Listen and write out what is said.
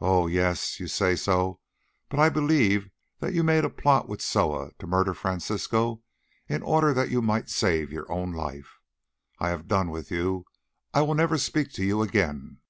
"Oh, yes, you say so, but I believe that you made a plot with Soa to murder Francisco in order that you might save your own life. I have done with you. I will never speak to you again."